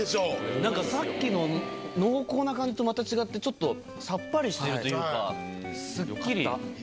なんかさっきの濃厚な感じとまた違って、ちょっとさっぱりしてるというか、すっきり。